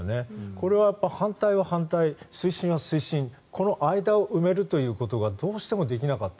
これは反対は反対推進は推進この間を埋めるということがどうしてもできなかった。